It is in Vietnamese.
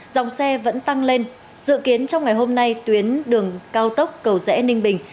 dòng xe vẫn tăng lên dự kiến trong ngày hôm nay tuyến đường cao tốc cầu rẽ ninh bình